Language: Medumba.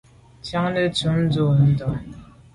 Tsiante ndùb be ntùm ndà.